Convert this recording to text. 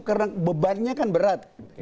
karena bebannya kan berat